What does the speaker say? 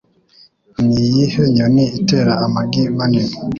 Niyihe nyoni itera amagi manini?